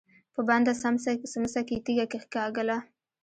په بنده سمڅه کې يې تيږه کېکاږله.